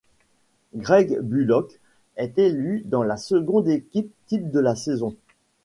Greg Bullock est élu dans la seconde équipe type de la saison.